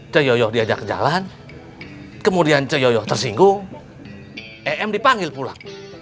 ci yoyo diajak ke jalan kemudian ci yoyo tersinggung em dipanggil pula